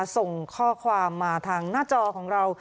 ส่งข้อความมาทางหน้าจอของเรา